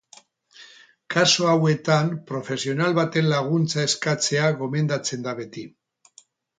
Kasu hauetan profesional baten laguntza eskatzea gomendatzen da beti.